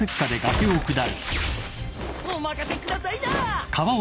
お任せくださいな！